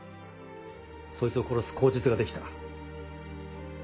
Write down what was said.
そいつを殺す口実が出来た。